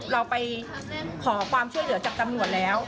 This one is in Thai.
เราไปขอความช่วยเหลือจากตำรวจแล้ว